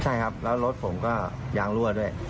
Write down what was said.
ใช่ครับแล้วรถผมก็ยางรั่วด้วย